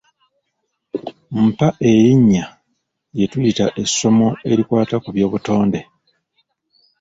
Mpa erinnya lye tuyita essomo erikwata ku by'obutonde.